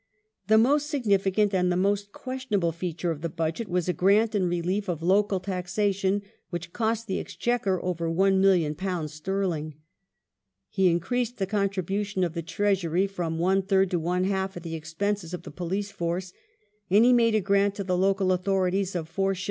The most significant and the most questionable feature of the Budget was a grant in relief of local taxation which cost the Exchequer over £1,000,000 sterling. He increased the contribution of the Treasury from one third to one half of the ex penses of the police force, and he made a grant to the local authorities of 4s.